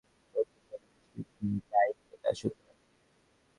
স্বাধীনতাসংগ্রামে আমাদের অকৃত্রিম বন্ধুর সঙ্গে বেশ কিছু দায়দেনা সুন্দরভাবে মিটে গেছে।